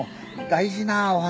大事なお話？